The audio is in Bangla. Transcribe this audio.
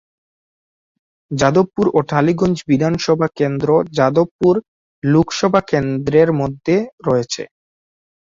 যাদবপুর ও টালিগঞ্জ বিধানসভা কেন্দ্র যাদবপুর লোকসভা কেন্দ্র মধ্যে রয়েছে।